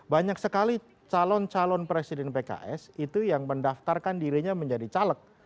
banyak sekali calon calon presiden pks itu yang mendaftarkan dirinya menjadi caleg